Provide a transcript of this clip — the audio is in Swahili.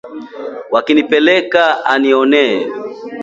wakinipeleka anione